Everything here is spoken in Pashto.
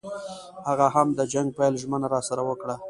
هغه هم د جنګ پیل ژمنه راسره وکړه.